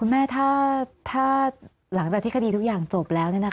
แม่ถ้าหลังจากที่คดีทุกอย่างจบแล้ว